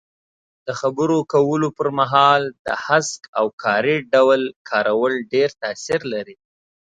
د خبرو کولو پر مهال د هسک او کاري ډول کارول ډېر تاثیر لري.